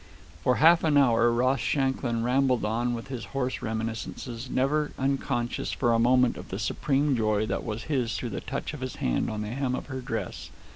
For half an hour Ross Shanklin rambled on with his horse reminiscences, never unconscious for a moment of the supreme joy that was his through the touch of his hand on the hem of her dress.